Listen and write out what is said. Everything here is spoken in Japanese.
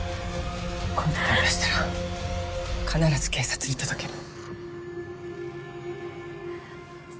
今度手を出したら必ず警察に届ける。